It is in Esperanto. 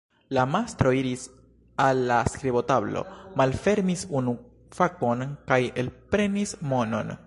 La mastro iris al la skribotablo, malfermis unu fakon kaj elprenis monon.